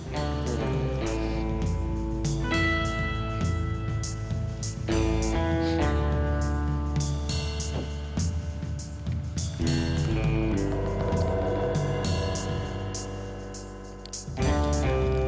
gak ada yang mau gxd